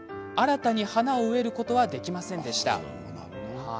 新たに花を植えることはできませんでした。